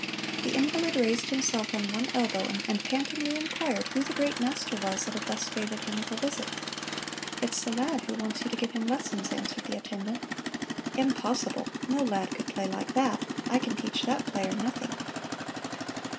The invalid raised himself on one elbow and pantingly inquired who the great master was that had thus favored him with a visit. "It's the lad who wants you to give him lessons," answered the attendant. "Impossible! no lad could play like that I can teach that player nothing!"